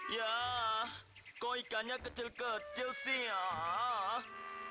yah kok ikannya kecil kecil sih yah